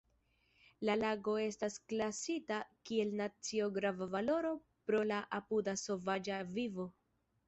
La lago estas klasita kiel nacio-grava valoro pro la apuda sovaĝa vivo.